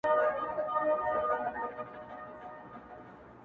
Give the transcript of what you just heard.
آسمانه واخله ککرۍ درغلې٫